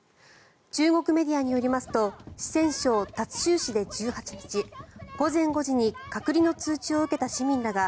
中国メディアによりますと四川省達州市で１８日午前５時に隔離の通知を受けた市民らが